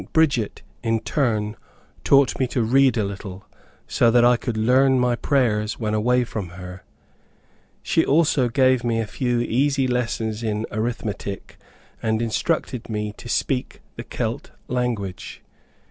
Bridget, in turn, taught me to read a little, so that I could learn my prayers when away from her. She also gave me a few easy lessons in arithmetic, and instructed me to speak the Celt language.